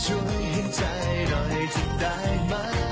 ช่วยแค่ใจน้อยจากได้หมด